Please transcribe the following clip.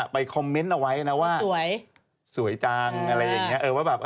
ไปคอมเมนต์เอาไว้นะว่าสวยจังอะไรอย่างนี้เออว่าแบบ